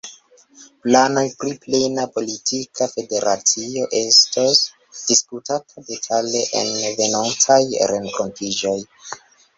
Planoj pri plena politika federacio estos diskutata detale en venontaj renkontiĝoj.